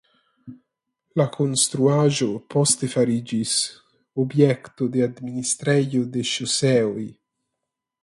La konstruaĵo poste fariĝis objekto de administrejo de ŝoseoj.